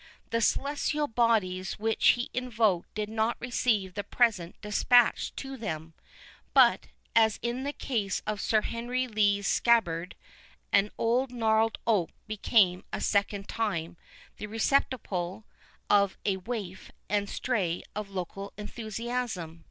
The celestial bodies which he invoked did not receive the present dispatched to them; but, as in the case of Sir Henry Lee's scabbard, an old gnarled oak became a second time the receptacle of a waif and stray of loyal enthusiasm.